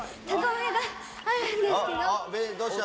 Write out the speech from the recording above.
おどうした？